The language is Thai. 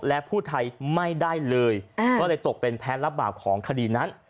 และผู้ไทยไม่ได้เลยก็เลยตกเป็นแพ้รับบาปของคดีนั้น